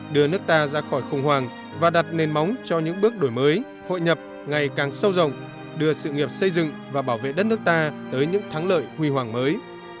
đưa nước ta ra khỏi khủng hoảng và đặt nền móng cho những bước đổi mới hội nhập ngày càng sâu rộng đưa sự nghiệp xây dựng và bảo vệ đất nước ta tới những thắng lợi huy hoàng mới